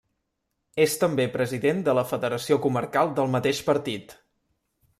És també president de la Federació Comarcal del mateix partit.